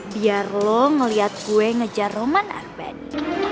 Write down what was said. biar lo ngeliat gue ngejar roman armani